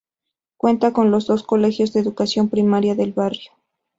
Cuenta con los dos colegios de educación primaria del barrio.